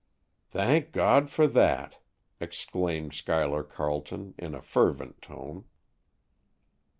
"Thank God for that!" exclaimed Schuyler Carleton, in a fervent tone.